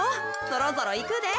そろそろいくで。